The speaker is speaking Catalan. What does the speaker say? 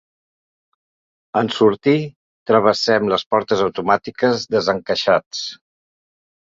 En sortir, travessem les portes automàtiques desencaixats.